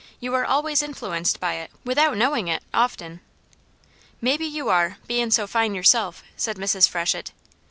"You are always influenced by it, without knowing it often." "Maybe you are, bein' so fine yourself," said Mrs. Freshett.